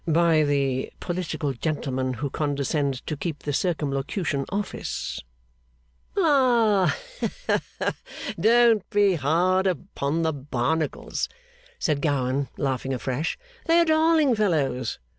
'By the political gentlemen who condescend to keep the Circumlocution Office.' 'Ah! Don't be hard upon the Barnacles,' said Gowan, laughing afresh, 'they are darling fellows!